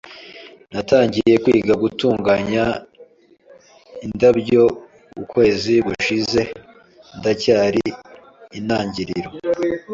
Natangiye kwiga gutunganya indabyo ukwezi gushize, ndacyari intangiriro.